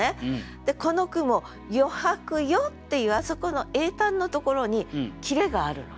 でこの句も「余白よ」っていうあそこの詠嘆のところに切れがあるのね。